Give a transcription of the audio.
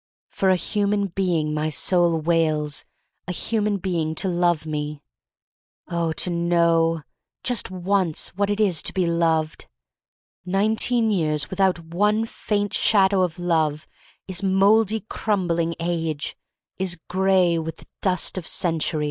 Oh, for a human being, my soul wails — a human being to love me! Oh, to know — ^just once — what it is to be loved! Nineteen years without one faint shadow of love is mouldy, crumbling age — is gray with the dust of centuries.